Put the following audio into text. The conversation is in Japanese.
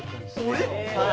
俺？